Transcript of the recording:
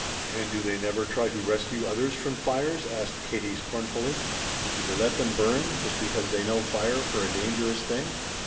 '" "And do they never try to rescue others from fires?" asked Katie scornfully. "Do they let them burn just because they know fire for a dangerous thing?"